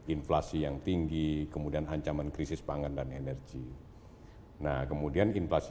inflasi yang tinggi kemudian ancaman krisis pangan dan energi